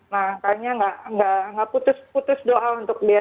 makanya gak putus doa untuk dia